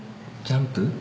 ジャンプ？